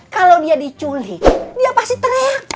kalau dia diculik dia pasti teriak